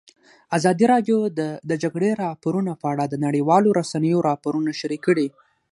ازادي راډیو د د جګړې راپورونه په اړه د نړیوالو رسنیو راپورونه شریک کړي.